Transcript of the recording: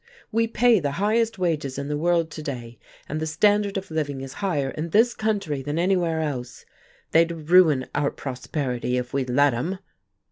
We pay the highest wages in the world to day, and the standard of living is higher in this country than anywhere else. They'd ruin our prosperity, if we'd let 'em."